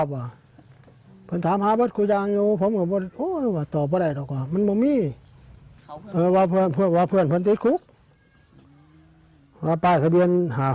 ห้าหกคนนี้ว่าถึงช่วงตาย